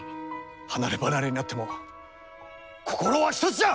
離れ離れになっても心は一つじゃ！